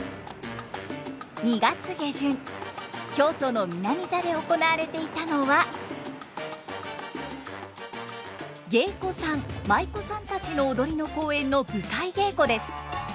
２月下旬京都の南座で行われていたのは芸妓さん舞妓さんたちの踊りの公演の舞台稽古です。